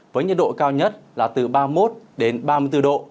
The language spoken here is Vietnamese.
với nhiệt độ cao nhất là từ ba mươi một đến ba mươi bốn độ